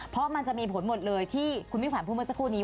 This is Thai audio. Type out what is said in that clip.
เพราะมันจะมีผลหมดเลยที่คุณมิ่งขวัญพูดเมื่อสักครู่นี้